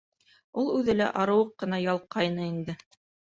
Ул үҙе лә арыу уҡ ҡына ялҡҡайны инде.